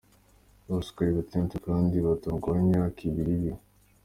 Bose uko ari batatu kandi barutanwaho imyaka ibiri biri.